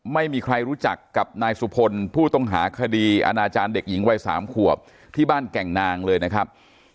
ไม่มีใครรู้จักกับนายสุพลผู้ต้องหาคดีอาณาจารย์เด็กหญิงวัย๓ขวบที่บ้านแก่งนางเลยนะครับ